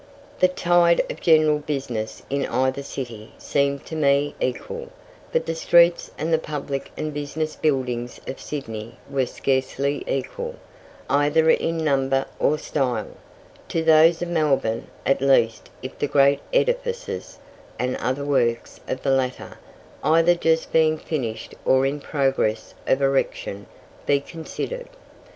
The tide of general business in either city seemed to me equal, but the streets and the public and business buildings of Sydney were scarcely equal, either in number or style, to those of Melbourne, at least if the great edifices and other works of the latter, either just being finished or in progress of erection, be considered.